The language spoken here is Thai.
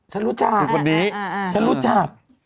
ฉันรู้จักคนนี้ฉันรู้จัก